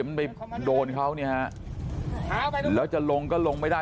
มันไปโดนเขาเนี่ยฮะแล้วจะลงก็ลงไม่ได้